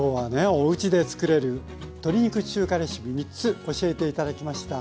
おうちでつくれる鶏肉中華レシピ３つ教えて頂きました。